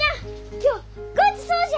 今日ごちそうじゃ！